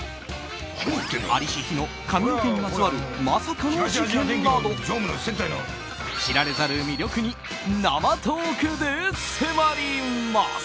在りし日の、髪の毛にまつわるまさかの事件など知られざる魅力に生トークで迫ります！